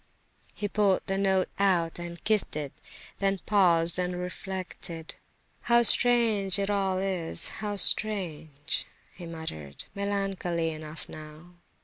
Ha, ha, ha!" He pulled the note out and kissed it; then paused and reflected. "How strange it all is! how strange!" he muttered, melancholy enough now.